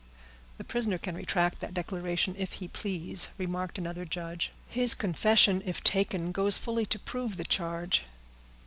"The prisoner can retract that declaration, if he please," remarked another judge. "His confession, if taken, goes fully to prove the charge."